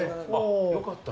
よかった。